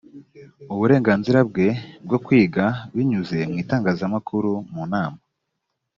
uburenganzira bwe bwo kwiga binyuze mu itangazamakuru mu nama